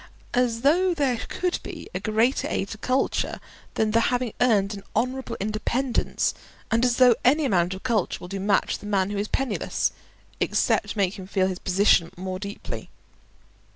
As though there could be a greater aid to culture than the having earned an honourable independence, and as though any amount of culture will do much for the man who is penniless, except make him feel his position more deeply.